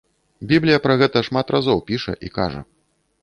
Біблія пра гэта шмат разоў піша і кажа.